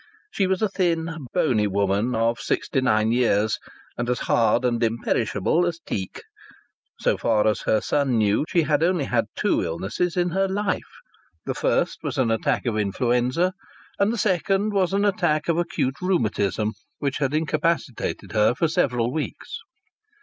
She was a thin, bony woman of sixty nine years, and as hard and imperishable as teak. So far as her son knew she had only had two illnesses in her life. The first was an attack of influenza, and the second was an attack of acute rheumatism, which had incapacitated her for several weeks.